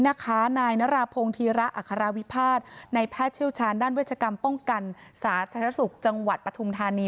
นายนราพงศ์ธีระอัคราวิพาทในแพทย์เชี่ยวชาญด้านเวชกรรมป้องกันสาธารณสุขจังหวัดปฐุมธานี